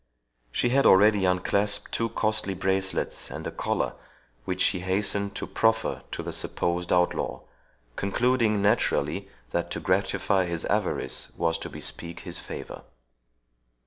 She had already unclasped two costly bracelets and a collar, which she hastened to proffer to the supposed outlaw, concluding naturally that to gratify his avarice was to bespeak his favour.